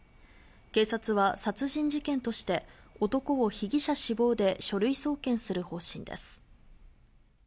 警察は、殺人事件として男を被疑者死亡で書類送検する方針です。